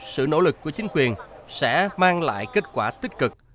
sự nỗ lực của chính quyền sẽ mang lại kết quả tích cực